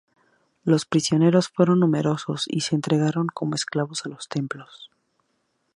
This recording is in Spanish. Los prisioneros fueron numerosos, y se entregaron como esclavos a los templos.